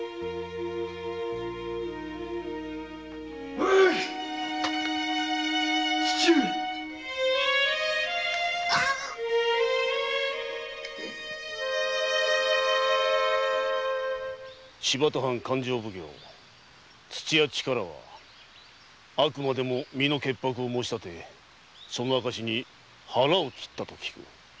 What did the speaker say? ・えいッ・父上新発田藩勘定奉行土屋主税はあくまでも身の潔白を申し立てその証に腹を切ったと聞く。